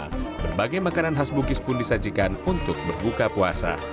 karena berbagai makanan khas bugis pun disajikan untuk berbuka puasa